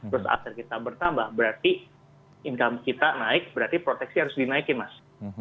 terus aset kita bertambah berarti income kita naik berarti proteksi harus dinaikin mas